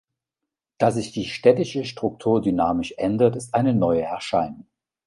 Dass sich die städtische Struktur dynamisch ändert, ist eine neue Erscheinung.